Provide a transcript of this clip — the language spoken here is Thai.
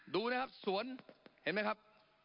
ดูนะครับสวนเห็นไหมครับ